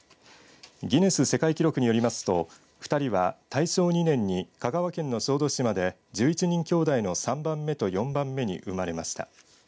ギネス世界記録によりますと２人は大正２年に香川県の小豆島で１１人きょうだいの３番目と４番目に生まれました。